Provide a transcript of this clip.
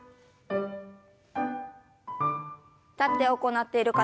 立って行っている方